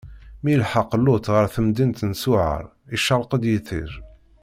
Mi yelḥeq Luṭ ɣer temdint n Ṣuɛar, icṛeq-d yiṭij.